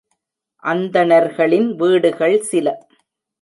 அந்தணர்களின் வீடுகள் சில.